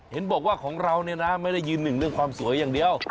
เห็นบอกว่าของเราเนี่ยนะไม่ได้ยืนหนึ่งเรื่องความสวยอย่างเดียว